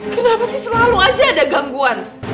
kenapa sih selalu aja ada gangguan